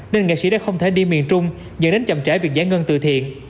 nên nghệ sĩ đã không thể đi miền trung dẫn đến chậm trễ việc giải ngân từ thiện